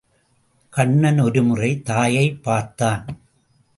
கண்ணன் ஒரு முறை தாயைப் பார்த்தான்.